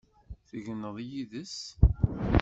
Tegneḍ yid-s?